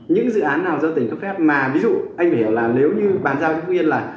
những dự án nào do tỉnh cấp phép mà ví dụ anh phải hiểu là nếu như bán giao cho phúc yên là